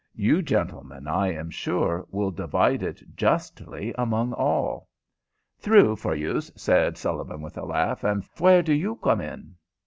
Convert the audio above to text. You gentlemen, I am sure, will divide it justly among all." "Thrue for youse," said Sullivan, with a laugh. "And phwere do you come in?"